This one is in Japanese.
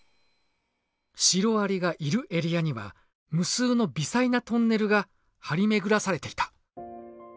シロアリがいるエリアには無数の微細なトンネルが張り巡らされていた。